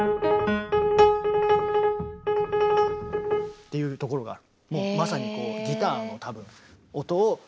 っていうところがある。